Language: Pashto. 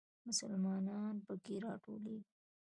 مسلمانان په کې راټولېږي.